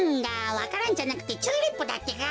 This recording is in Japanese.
わか蘭じゃなくてチューリップだってか。